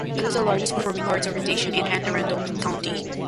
It is the largest performing arts organization in Anne Arundel County.